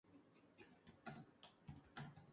Nagy posee unas imponentes cualidades físicas.